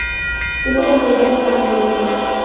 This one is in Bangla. তিনি তার প্রজাদের দান করে যান।